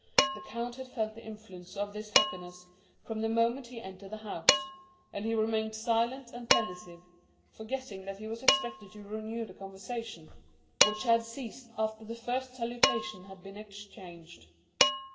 The count had felt the influence of this happiness from the moment he entered the house, and he remained silent and pensive, forgetting that he was expected to renew the conversation, which had ceased after the first salutations had been exchanged.